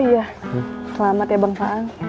oh iya selamat ya bang faang